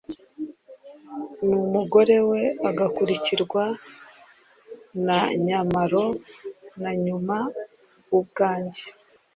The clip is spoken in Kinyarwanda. numugore we, agakurikirwa na nyamalo na nyuma ubwanjye